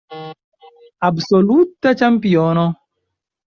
Absoluta ĉampiono.